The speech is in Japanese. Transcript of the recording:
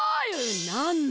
なんだ？